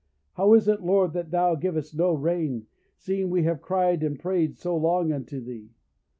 How is it, Lord, that thou givest no rain, seeing we have cried and prayed so long unto thee?